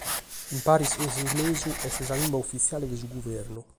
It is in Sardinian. In paris cun s’inglesu, est sa limba ufitziale de su guvernu.